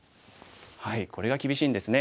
これが厳しいんですね。